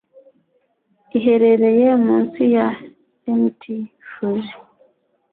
Iherereye munsi ya Mt. Fuji.